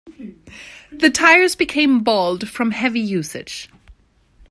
The tires became bald from heavy usage.